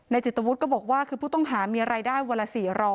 จิตวุฒิก็บอกว่าคือผู้ต้องหามีรายได้วันละ๔๐๐